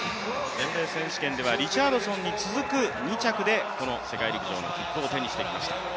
全米選手権ではリチャードソンに続く２着でこの世界陸上への切符を手にしてきました。